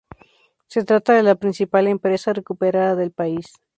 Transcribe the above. Se trata de la principal empresa recuperada del país.